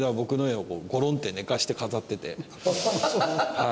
はい。